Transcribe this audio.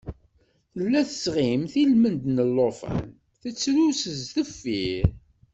Tella tesɣimt ilmend n llufan, tettrus s deffir.